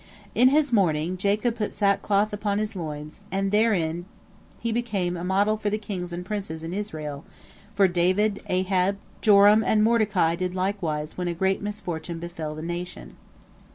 In his mourning Jacob put sackcloth upon his loins, and therein be became a model for the kings and princes in Israel, for David, Ahab, Joram, and Mordecai did likewise when a great misfortune befell the nation.